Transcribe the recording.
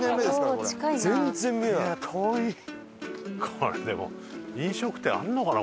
これでも飲食店あるのかな？